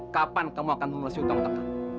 kapan kamu akan melalui utang otak